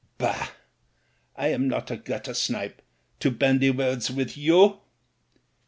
''Bah ! I am not a guttersnipe to bandy words with you.